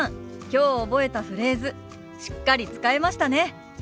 きょう覚えたフレーズしっかり使えましたね。